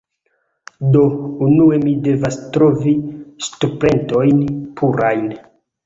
Do, unue mi devas trovi ŝtrumpetojn purajn